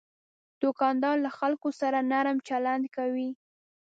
دوکاندار له خلکو سره نرم چلند کوي.